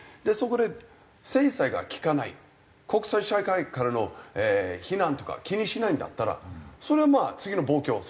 そこで制裁が効かない国際社会からの非難とか気にしないんだったらそれはまあ次の暴挙